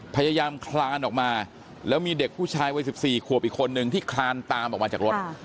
พยายามคลานออกมาแล้วมีเด็กผู้ชายวัย๑๔ขวบอีกคนนึงที่คลานตามออกมาจากรถ